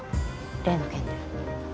例の件で。